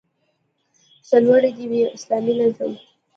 سرلوړی دې وي اسلامي نظام؟